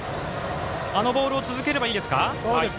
あのボールを続ければいいですか。